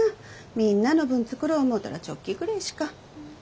みんなの分作ろう思うたらチョッキぐれえしか。